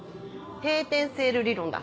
閉店セール理論だ。